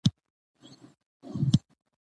ترڅو عمه مې موږ ته مستې راوړې، او موږ مستې وخوړې